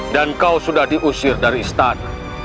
dan kau sudah diusir dari stad